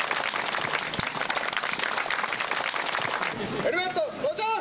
ヘルメット装着！